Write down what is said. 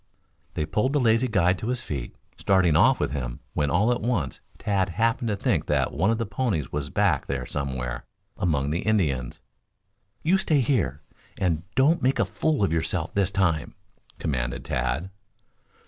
They pulled the lazy guide to his feet, starting off with him, when all at once Tad happened to think that one of the ponies was back there somewhere among the Indians. "You stay here, and don't make a fool of yourself this time!" commanded Tad.